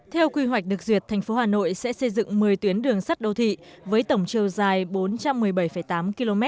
theo quy hoạch được duyệt tp hcm sẽ xây dựng một mươi tuyến đường sắt đô thị với tổng chiều dài bốn trăm một mươi bảy tám km